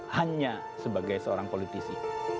hanya sebagai seorang politisi